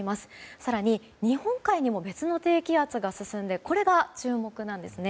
更に、日本海にも別の低気圧が進んでこれが注目なんですね。